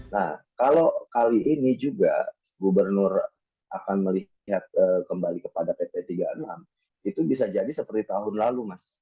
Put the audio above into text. nah kalau kali ini juga gubernur akan melihat kembali kepada pp tiga puluh enam itu bisa jadi seperti tahun lalu mas